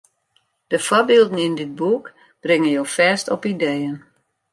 De foarbylden yn dit boek bringe jo fêst op ideeën.